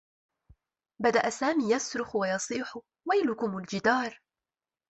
بدأ سامي يصرخ و يصيح و يلكم الجدار.